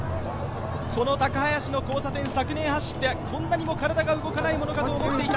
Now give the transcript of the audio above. この高林の交差点、昨年走って、こんなにも体が動かないものかと思っていた。